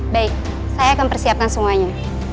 baik saya akan persiapkan semuanya